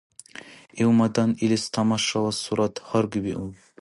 Илмадан илис тамашалала сурат гьаргбиуб.